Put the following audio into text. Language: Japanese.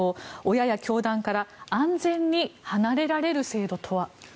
親や教団から安全に離れられる制度とは。